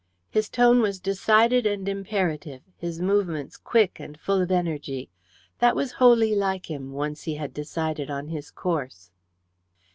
His tone was decided and imperative, his movements quick and full of energy. That was wholly like him, once he had decided on his course.